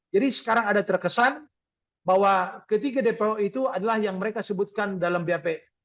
jadi sekarang ada terkesan bahwa ketiga dpo itu adalah yang mereka sebutkan dalam bap